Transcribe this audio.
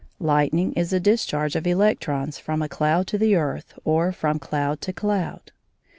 Lightning is a discharge of electrons from a cloud to the earth or from cloud to cloud.